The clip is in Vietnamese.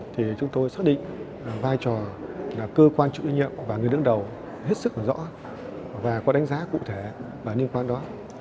thì chúng tôi xác định vai trò là cơ quan chủ nhiệm và người đứng đầu hết sức là rõ và có đánh giá cụ thể và liên quan đó